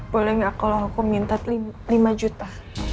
boleh nggak kalau aku minta lima juta